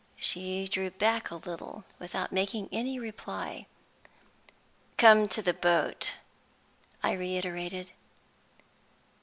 She drew back a little, without making any reply. "Come to the boat," I reiterated.